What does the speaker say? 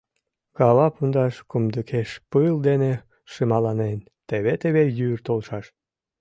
Кава пундаш кумдыкеш пыл дене шымаланен, теве-теве йӱр толшаш.